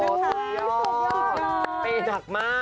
สุดยอดปีหนักมาก